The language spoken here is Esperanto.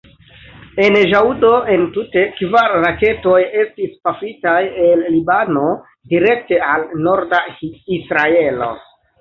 En ĵaŭdo entute kvar raketoj estis pafitaj el Libano direkte al norda Israelo.